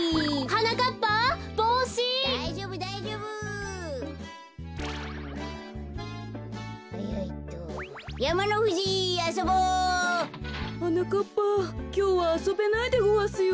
はなかっぱきょうはあそべないでごわすよ。